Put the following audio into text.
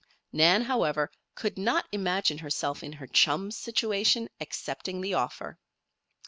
Nan, however, could not imagine herself in her chum's situation, accepting the offer.